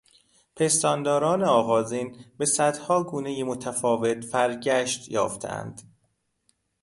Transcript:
پستانداران آغازین به صدها گونهی متفاوت فرگشت یافتهاند.